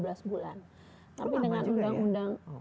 itu lama juga ya